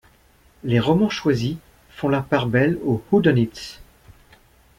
Les romans choisis font la part belle aux whodunits.